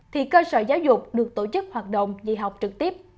thì cơ sở giáo dục được tổ chức hoạt động dạy học trực tiếp